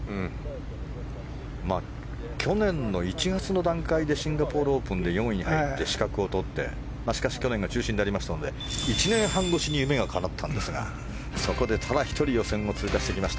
去年の１月の段階でシンガポールオープンで４位に入って資格を取ってしかし去年が中止になりましたので１年半越しに夢がかなったんですがそこでただ１人予選を通過してきました